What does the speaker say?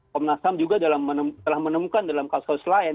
komnas ham juga telah menemukan dalam kasus kasus lain